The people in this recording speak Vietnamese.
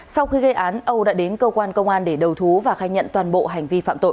sau khi gây án âu đã đến cơ quan công an để đầu thú và khai nhận toàn bộ hành vi phạm tội